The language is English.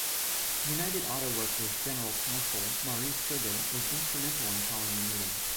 United Auto Workers general counsel Maurice Sugar was instrumental in calling the meeting.